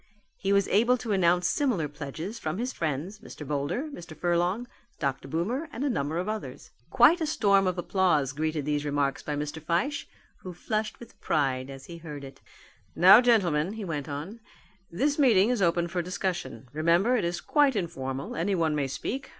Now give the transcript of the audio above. He was able to announce similar pledges from his friends, Mr. Boulder, Mr. Furlong, Dr. Boomer, and a number of others. Quite a storm of applause greeted these remarks by Mr. Fyshe, who flushed with pride as he heard it. "Now, gentlemen," he went on, "this meeting is open for discussion. Remember it is quite informal, anyone may speak.